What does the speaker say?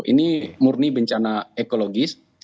ini murni bencana ekologis